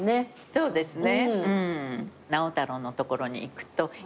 そうですね。